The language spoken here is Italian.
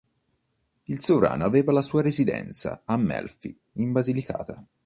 Il sovrano aveva la sua residenza a Melfi, in Basilicata.